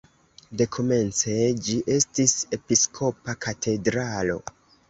Dekomence ĝi estis episkopa katedralo.